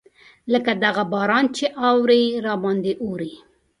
لکه دغه باران چې اوري راباندې اوري.